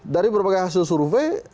dari berbagai hasil survei